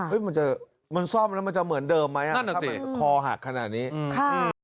เฮ้ยมันจะมันซ่อมแล้วมันจะเหมือนเดิมไหมนั่นแหละสิถ้ามันคอหักขนาดนี้อืมค่ะ